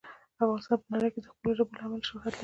افغانستان په نړۍ کې د خپلو ژبو له امله شهرت لري.